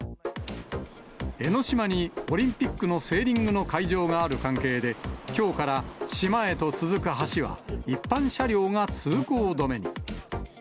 江の島にオリンピックのセーリングの会場がある関係で、きょうから島へと続く橋は、一般車両が通行止めに。